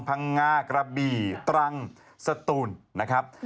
พังงากระบี่ตรังสตูนนะครับ